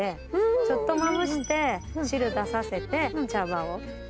ちょっとまぶして汁出させて茶葉を。